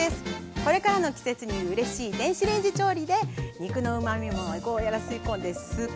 これからの季節にうれしい電子レンジ調理で肉のうまみもゴーヤーが吸い込んですっ